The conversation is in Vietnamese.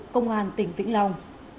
công an tỉnh vĩnh long